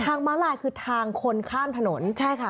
ม้าลายคือทางคนข้ามถนนใช่ค่ะ